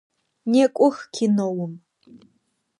Некӏох киноум!